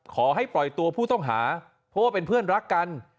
ขอให้ปล่อยตัวผู้ต้องหาเพราะว่าเป็นเพื่อนรักกัน